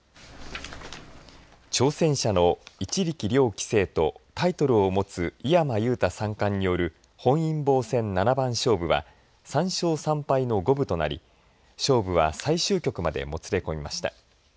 挑戦者の一力遼棋聖とタイトルを持つ井山裕太三冠による本因坊戦七番勝負は３勝３敗の五分となり勝負は最終局までもつれ込みました。